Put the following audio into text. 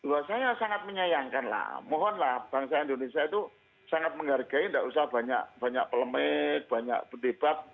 wah saya sangat menyayangkanlah mohonlah bangsa indonesia itu sangat menghargai nggak usah banyak banyak pelemet banyak berdebat